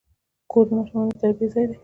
کور د ماشومانو د تربیې ځای دی.